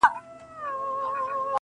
• او ستا پر قبر به.